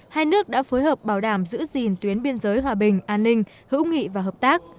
hai nước đã phối hợp bảo đảm giữ gìn tuyến biên giới hòa bình an ninh hữu nghị và hợp tác